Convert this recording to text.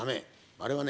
あれはね